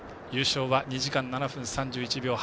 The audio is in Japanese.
優勝は２時間７分３１秒